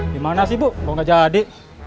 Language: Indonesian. gimana sih bu lo gak jadi